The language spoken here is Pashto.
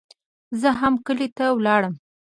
زه هم کلي ته ولاړم.